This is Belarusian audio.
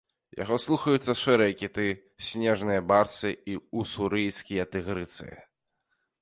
Яго слухаюцца шэрыя кіты, снежныя барсы і ўсурыйскія тыгрыцы.